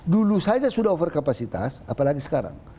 dulu saja sudah overkapasitas apalagi sekarang